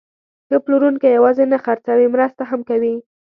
ښه پلورونکی یوازې نه خرڅوي، مرسته هم کوي.